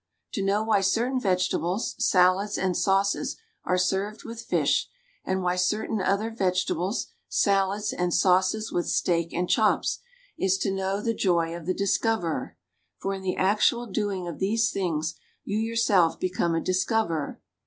To know why certain vegetables, salads and sauces are served with fish; and why certain other vegetables, salads and sauces with steak and chops, is to know the joy of the discoverer, for, in the actual doing of these things you yourself become a dis coverer.